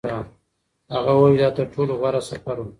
هغه وویل چې دا تر ټولو غوره سفر و.